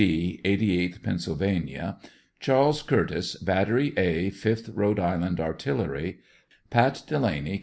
D, 88th Pennsylvania; Charles Curtiss, Battery A, 5th Rhode Island Artillery; Pat Dela ney, Co.